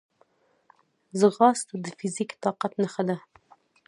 ځغاسته د فزیکي طاقت نښه ده